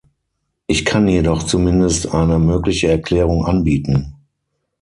Ich kann jedoch zumindest eine mögliche Erklärung anbieten.